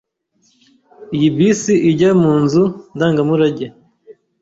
Iyi bisi ijya mu nzu ndangamurage?